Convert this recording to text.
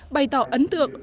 bày tỏ ấn tượng